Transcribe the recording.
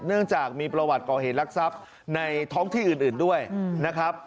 เนื่องจากมีประวัติก่อเหตุรักทรัพย์ในท้องที่อื่นด้วยนะครับ